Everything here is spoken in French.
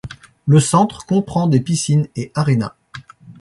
Le centre comprend des piscines et arénas.